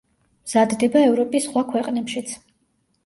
მზადდება ევროპის სხვა ქვეყნებშიც.